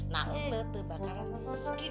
nah betul bakalan miskin